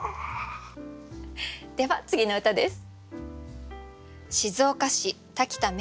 では次の歌です。